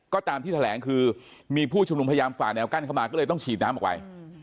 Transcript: ก็ตามที่แถลงคือมีผู้ชุมนุมพยายามฝ่าแนวกั้นเข้ามาก็เลยต้องฉีดน้ำออกไป